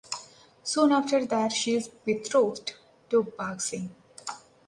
Soon after that she is betrothed to Bagh Singh.